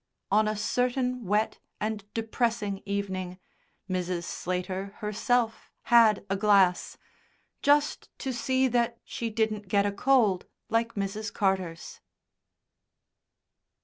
On a certain wet and depressing evening Mrs. Slater herself had a glass "just to see that she didn't get a cold like Mrs. Carter's."